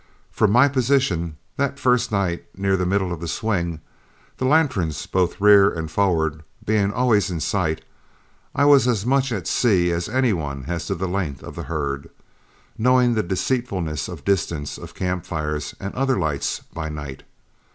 From my position that first night near the middle of the swing, the lanterns both rear and forward being always in sight, I was as much at sea as any one as to the length of the herd, knowing the deceitfulness of distance of campfires and other lights by night.